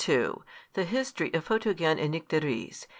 ] THE HISTORY OF PHOTOGEN AND NYCTERIS.